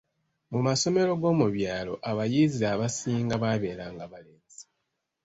Mu masomero g’omu byalo abayizi abasinga baabeeranga balenzi.